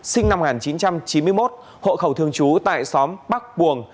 sinh năm một nghìn chín trăm chín mươi một hộ khẩu thương chú tại xóm bắc buồng